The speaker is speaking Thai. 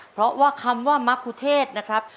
เพราะว่าคำว่ามะคุเทศนะครับ